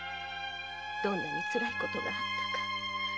どんなにつらい事があったか。